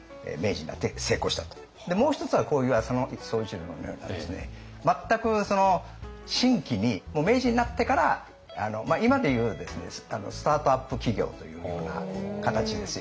でもう一つはこういう浅野総一郎のようなですね全く新規にもう明治になってから今でいうスタートアップ企業というような形ですよね。